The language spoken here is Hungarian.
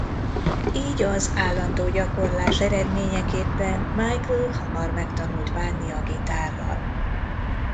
Így az állandó gyakorlás eredményeképpen Michael hamar megtanult bánni a gitárral.